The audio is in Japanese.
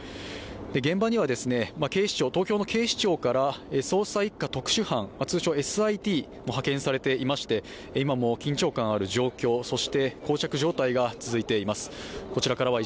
現場には東京の警視庁から捜査一課特殊班、通称、ＳＩＴも派遣されていまして緊張感ある状況、こう着状態が続いています。